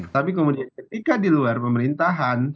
tapi kemudian ketika di luar pemerintahan